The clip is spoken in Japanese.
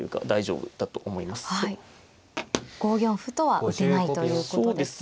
５四歩とは打てないということですね。